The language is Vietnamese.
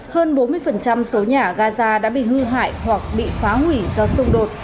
hơn bốn mươi số nhà gaza đã bị hư hại hoặc bị phá hủy do xung đột